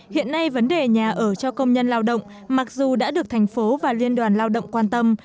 hiện nay vấn đề nhà ở cho công nhân lao động mặc dù đã được thành phố và liên đoàn lao động quan tâm